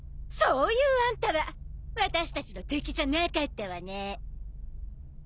そう言うあんたは私たちの敵じゃなかったわね。